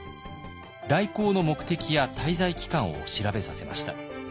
来航の目的や滞在期間を調べさせました。